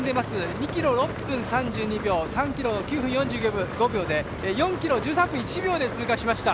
２キロ６分３２秒３キロ９分４５秒で４キロ１３分１秒で通過しました。